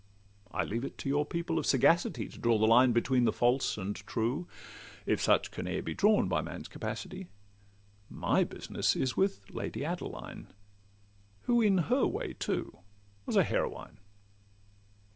I leave it to your people of sagacity To draw the line between the false and true, If such can e'er be drawn by man's capacity: My business is with Lady Adeline, Who in her way too was a heroine.